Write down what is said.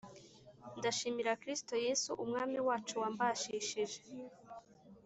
Ndashimira Kristo Yesu Umwami wacu wambashishije